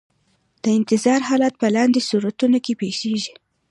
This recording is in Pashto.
د انتظار حالت په لاندې صورتونو کې پیښیږي.